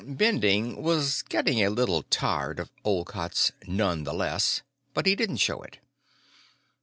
Bending was getting a little tired of Olcott's "none the less," but he didn't show it.